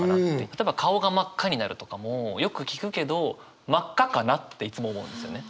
例えば顔が真っ赤になるとかもよく聞くけど「真っ赤かな？」っていつも思うんですよね。